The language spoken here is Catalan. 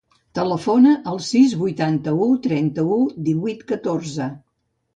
Telefona al sis, vuitanta-u, trenta-u, divuit, catorze.